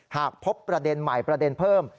หากพบประเด็นใหม่ประเด็นเพิ่ม